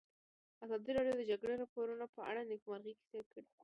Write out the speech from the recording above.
ازادي راډیو د د جګړې راپورونه په اړه د نېکمرغۍ کیسې بیان کړې.